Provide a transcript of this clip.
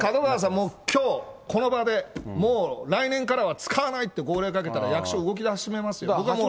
もう、きょう、この場で、もう来年からは使わないって号令かけたら、役所動き始めますよ。